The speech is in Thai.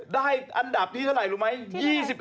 ได้อันดับที่เท่าไหร่รู้ไหม